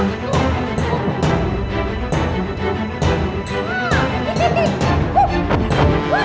tidak ada idé yang sepatutnya